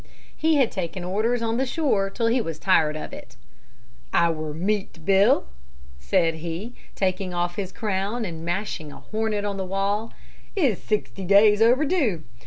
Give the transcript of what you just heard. He had taken orders on the store till he was tired of it. "Our meat bill," said he, taking off his crown and mashing a hornet on the wall, "is sixty days overdue.